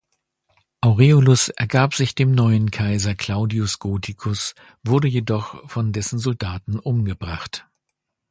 Aureolus ergab sich dem neuen Kaiser Claudius Gothicus, wurde jedoch von dessen Soldaten umgebracht.